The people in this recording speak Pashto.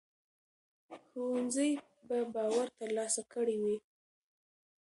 ښوونځي به باور ترلاسه کړی وي.